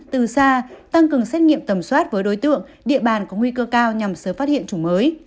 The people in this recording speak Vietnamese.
từ xa tăng cường xét nghiệm tầm soát với đối tượng địa bàn có nguy cơ cao nhằm sớm phát hiện chủng mới